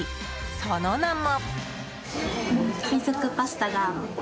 その名も。